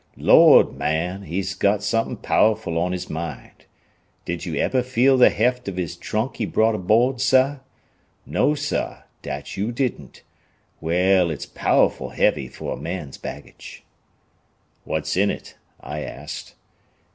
Lord, man, he's got something pow'rful on his mind. Did yo' ebber feel the heft ob his trunk he brought aboard, sah? No, sah, dat yo' didn't. Well, it's pow'rful heavy fo' a man's baggage." "What's in it?" I asked.